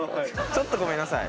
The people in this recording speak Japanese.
ちょっとごめんなさい。